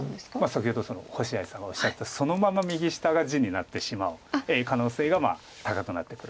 先ほど星合さんがおっしゃったそのまま右下が地になってしまう可能性が高くなってくるっていう。